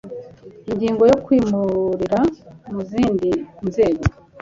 ingingo yo kwimurirwa mu zindi nzego